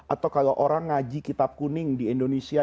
atau kalau orang ngaji kitab kuning di indonesia